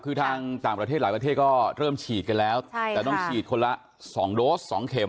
คือทางต่างประเทศหลายประเทศก็เริ่มฉีดกันแล้วแต่ต้องฉีดคนละ๒โดส๒เข็ม